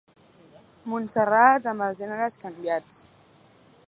Montserrat amb els gèneres canviats.